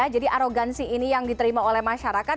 jadi arogansi ini yang diterima oleh masyarakat